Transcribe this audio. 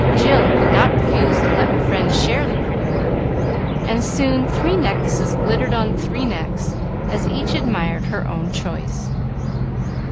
Jill could not refuse to let her friends share the pretty work, and soon three necklaces glittered on three necks, as each admired her own choice.